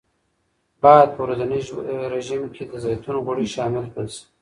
باید په ورځني رژیم کې د زیتون غوړي شامل کړل شي.